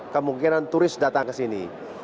kemungkinan turis datang kesini